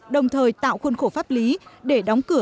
đồng thời tạo khuôn khổ pháp lý để đóng cửa